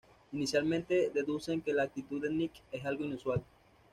Inicialmente deducen que la actitud de Nick es algo inusual.